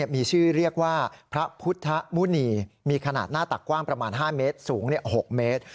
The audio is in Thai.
มีชื่อเรียกว่าพระพุทธมุณีมีขนาดหน้าตักกว้างประมาณ๕เมตรสูง๖เมตร